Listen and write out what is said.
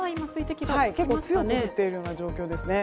結構強く降っているような状況ですね。